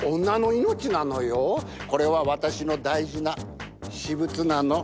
これは私の大事な私物なの。